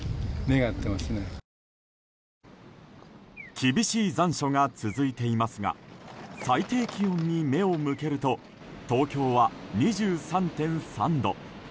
厳しい残暑が続いていますが最低気温に目を向けると東京は２３．３度。